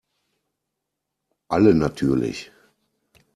Alle natürlich.